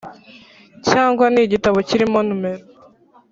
cyangwa ni igitabo kirimo numero